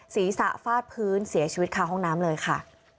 ศีรษะฟาดพื้นเสียชีวิตค่ะห้องน้ำเลยค่ะ